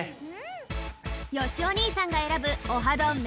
よしお兄さんが選ぶオハどん！